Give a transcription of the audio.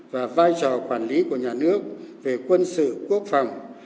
và vai trò quản lý của nhà nước về quân sự quốc phòng